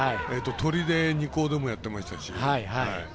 取手二高でもやってましたし。